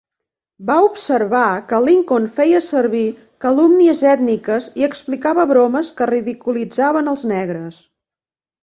Va observar que Lincoln feia servir calumnies ètniques i explicava bromes que ridiculitzaven els negres.